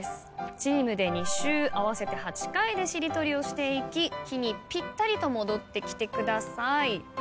チームで２周合わせて８回でしりとりをしていき「き」にぴったりと戻ってきてください。